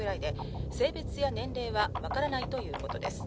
性別や年齢は分からないということです。